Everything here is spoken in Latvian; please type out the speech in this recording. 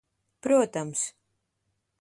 Protams.